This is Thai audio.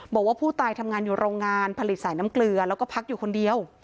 บอกว่าผู้ตายทำงานอยู่โรงงานผลิตสายน้ำเกลือแล้วก็พักอยู่คนเดียว